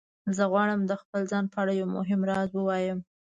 زه غواړم د خپل ځان په اړه یو مهم راز ووایم